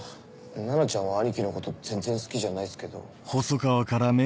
菜奈ちゃんはアニキのこと全然好きじゃないっすけど。